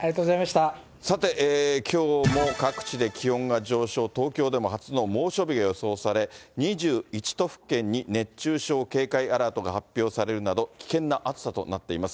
さて、きょうも各地で気温が上昇、東京でも初の猛暑日が予想され、２１都府県に熱中症警戒アラートが発表されるなど、危険な暑さとなっています。